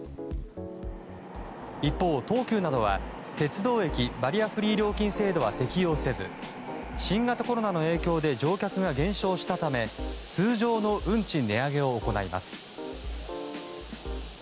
一方、東急などは鉄道駅バリアフリー料金制度は適用せず新型コロナの影響で乗客が減少したため通常の運賃値上げを行います。